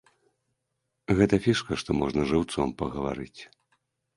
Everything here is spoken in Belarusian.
Гэта фішка, што можна жыўцом пагаварыць.